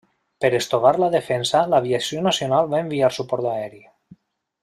Per estovar la defensa, l'aviació nacional va enviar suport aeri.